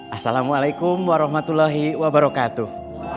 assalamualaikum warahmatullahi wabarakatuh